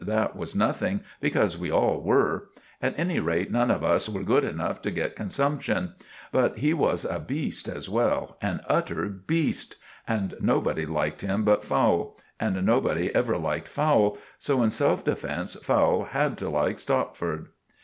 That was nothing, because we all were. At any rate, none of us were good enough to get consumption. But he was a beast as well—an utter beast—and nobody liked him but Fowle; and nobody ever liked Fowle, so in self defence Fowle had to like Stopford.